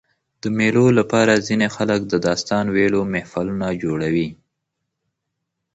د مېلو له پاره ځيني خلک د داستان ویلو محفلونه جوړوي.